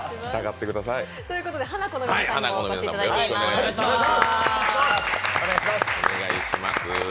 ということで、ハナコの皆さんにもお越しいただいております。